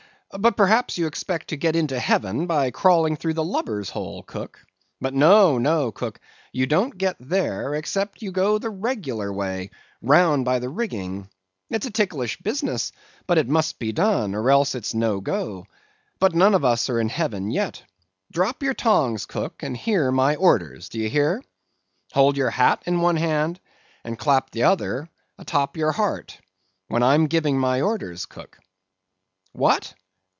But, perhaps you expect to get into heaven by crawling through the lubber's hole, cook; but, no, no, cook, you don't get there, except you go the regular way, round by the rigging. It's a ticklish business, but must be done, or else it's no go. But none of us are in heaven yet. Drop your tongs, cook, and hear my orders. Do ye hear? Hold your hat in one hand, and clap t'other a'top of your heart, when I'm giving my orders, cook. What!